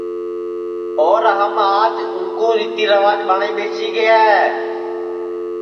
اور ہمون آج اُن کُو ریتی ریوج ٻٹؔائی ٻیسی گئے ہے